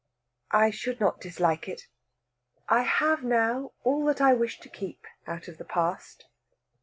"I should not dislike it. I have now all that I wish to keep out of the past.